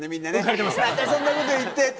またそんなこと言ってって。